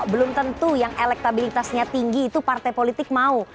belum tentu yang elektabilitasnya tinggi itu partai politik mau